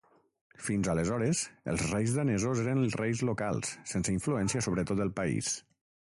Fins aleshores els reis danesos eren reis locals sense influència sobre tot el país.